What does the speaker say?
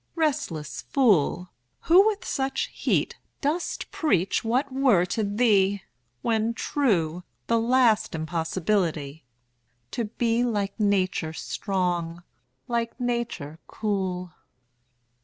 Restless fool, Who with such heat dost preach what were to thee, When true, the last impossibility To be like Nature strong, like Nature cool!